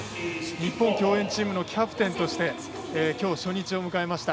日本競泳チームのキャプテンとしてきょう、初日を迎えました。